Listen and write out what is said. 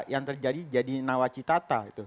yang terjadi jadi nawacitata